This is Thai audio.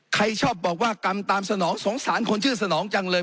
ใครชอบบอกว่ากรรมตามสนองสงสารคนชื่อสนองจังเลย